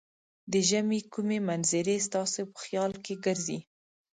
د ژمې کومې منظرې ستاسې په خیال کې ګرځي؟